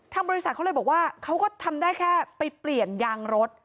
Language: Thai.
บริษัทเขาเลยบอกว่าเขาก็ทำได้แค่ไปเปลี่ยนยางรถ